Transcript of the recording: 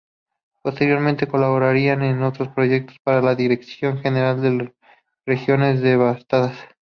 Posteriormente colaborarían en otros proyectos para la Dirección General de Regiones Devastadas.